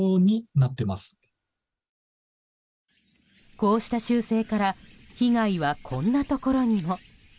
こうした習性から被害はこんなところにも。